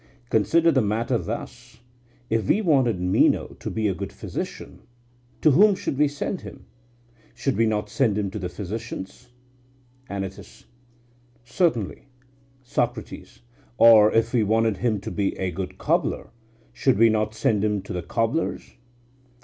Consider the matter thus: If we wanted Meno to be a good physician, to whom should we send him? Should we not send him to the physicians? ANYTUS: Certainly. SOCRATES: Or if we wanted him to be a good cobbler, should we not send him to the cobblers?